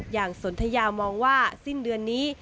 สนทยามองว่าสิ้นเดือนนี้